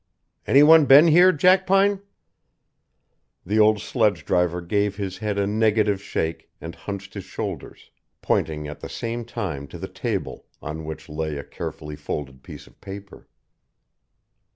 "Any one been here, Jackpine?" The old sledge driver gave his head a negative shake and hunched his shoulders, pointing at the same time to the table, on which lay a carefully folded piece of paper.